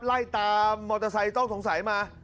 ไล่ตามมอเตอร์ไซค์ต้องสงสัยมา